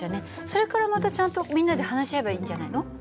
それからまたちゃんとみんなで話し合えばいいんじゃないの？